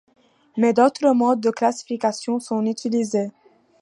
Mais d'autres modes de classifications sont utilisés.